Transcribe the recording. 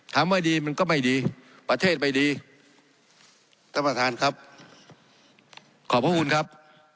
ว่าดีมันก็ไม่ดีประเทศไม่ดีท่านประธานครับขอบพระคุณครับ